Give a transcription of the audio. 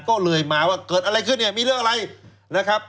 เกิดอะไรขึ้นเนี่ยมีเรื่องอะไร